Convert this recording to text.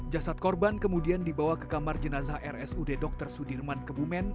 jasad korban kemudian dibawa ke kamar jenazah rsud dr sudirman kebumen